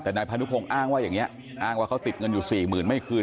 แต่นายพานุพงศ์อ้างว่าอย่างนี้อ้างว่าเขาติดเงินอยู่สี่หมื่นไม่คืน